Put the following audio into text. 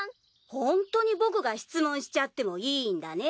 ホントに僕が質問しちゃってもいいんだね？